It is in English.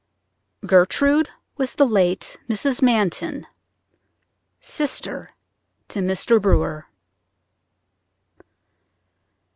Gertrude was the late Mrs. Manton, sister to Mr. Brewer.